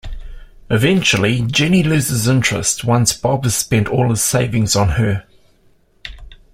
Eventually, Jenny loses interest once Bob has spent all his savings on her.